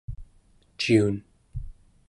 ciun